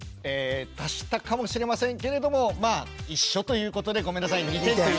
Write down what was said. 足したかもしれませんけれどもまあ一緒ということでごめんなさい２点。